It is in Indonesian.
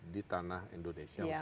di tanah indonesia